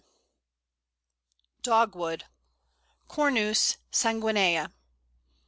] Dogwood (Cornus sanguinea).